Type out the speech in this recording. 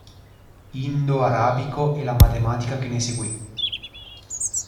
Indo-Arabico e la matematica che ne seguì.